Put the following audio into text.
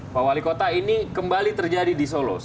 pak wali kota ini kembali terjadi di solo